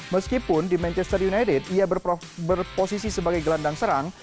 meskipun di manchester united ia berposisi sebagai gelandang serang